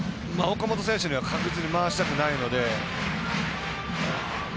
岡本選手には確実に回したくないので。